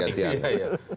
gantian ya gantian